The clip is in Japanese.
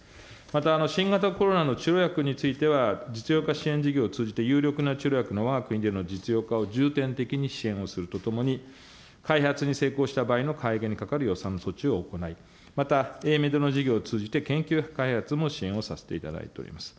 また、新型コロナの治療薬については、実用化支援事業を通じて、有力な治療薬のわが国での実用化を重点的に支援をするとともに、開発に成功した場合の買い上げにかかる予算の措置を行い、また、ＡＭＥＤの事業を通じて研究開発の支援をさせていただいております。